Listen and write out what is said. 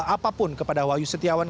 apapun kepada wahyu setiawan